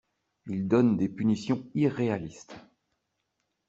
Ils donnent des punitions irréalistes.